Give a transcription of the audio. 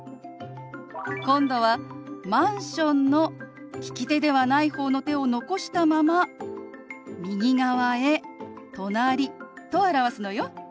今度は「マンション」の利き手ではない方の手を残したまま右側へ「隣」と表すのよ。